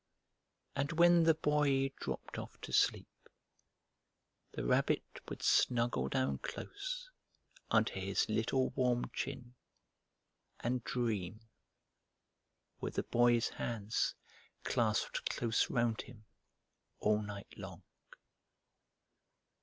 And when the Boy dropped off to sleep, the Rabbit would snuggle down close under his little warm chin and dream, with the Boy's hands clasped close round him all night long.